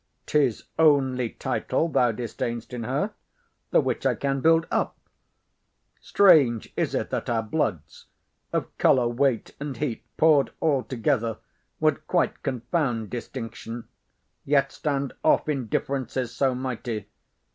'Tis only title thou disdain'st in her, the which I can build up. Strange is it that our bloods, Of colour, weight, and heat, pour'd all together, Would quite confound distinction, yet stands off In differences so mighty.